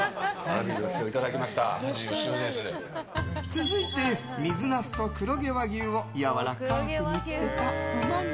続いて、水ナスと黒毛和牛をやわらかく煮つけたうま煮。